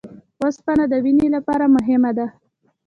اوسپنه د وینې لپاره مهمه ده